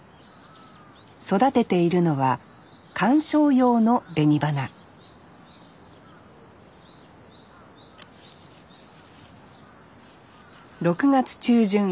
育てているのは鑑賞用の紅花６月中旬。